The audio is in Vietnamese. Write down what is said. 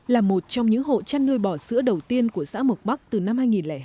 là một trong những hộ chăn nuôi bò sữa đầu tiên của xã mộc bắc từ năm hai nghìn hai